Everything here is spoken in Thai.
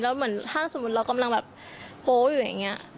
แล้วเหมือนถ้าสมมุติเรากำลังแบบโพลอยู่อย่างนี้